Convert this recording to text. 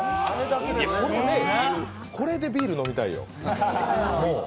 これでビール飲みたいよ。